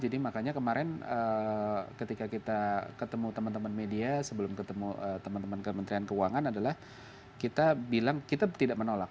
jadi makanya kemarin ketika kita ketemu teman teman media sebelum ketemu teman teman kementerian keuangan adalah kita bilang kita tidak menolak